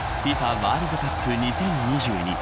ワールドカップ２０２２